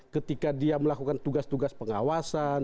ketika dia melakukan tugas tugas pengawasan